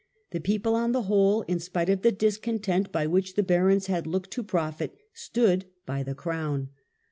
The people on the whole, in spite of the discontent by which the barons had looked to profit, stood by the crown.